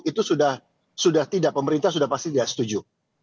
itu sudah tidak pemerintah sudah pasti tidak setuju